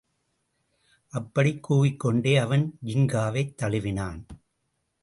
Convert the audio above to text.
அப்படிக் கூவிக்கொண்டே அவன் ஜின்காவைத் தழுவினான்.